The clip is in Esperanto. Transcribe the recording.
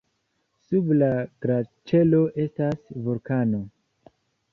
Sub la glaĉero estas vulkano.